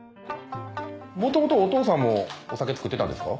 元々お父さんもお酒造ってたんですか？